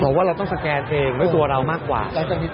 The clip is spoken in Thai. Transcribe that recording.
ว่าเราต้องสแกนเพลงไว้ตัวเรามากกว่า